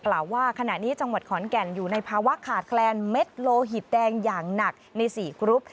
ว่าขณะนี้จังหวัดขอนแก่นอยู่ในภาวะขาดแคลนเม็ดโลหิตแดงอย่างหนักใน๔กรุ๊ป